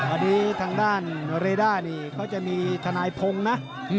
อันนี้ทางด้านเรด้านี่เขาจะมีทนายพงศ์นะ